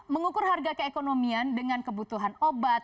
mengukur harga keekonomian dengan kebutuhan obat